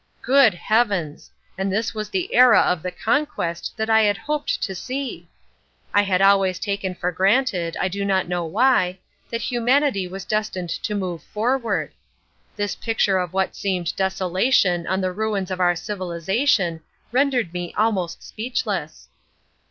Good heavens! And was this the era of the Conquest that I had hoped to see! I had always taken for granted, I do not know why, that humanity was destined to move forward. This picture of what seemed desolation on the ruins of our civilisation rendered me almost speechless.